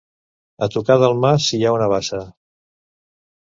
A tocar del mas hi ha una bassa.